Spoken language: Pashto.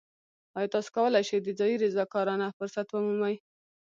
ایا تاسو کولی شئ د ځایی رضاکارانه فرصت ومومئ؟